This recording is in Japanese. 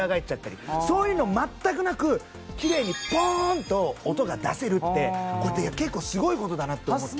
そういうの全くなくきれいにポーンと音が出せるってこれって結構すごい事だなって思って。